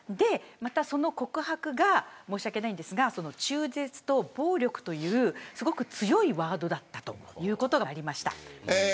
その告白が、申し訳ないですが中絶と暴力というすごく強いワードだったということがありました。